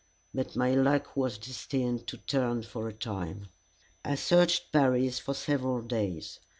But my luck was destined to turn for a time. I searched Paris for several days.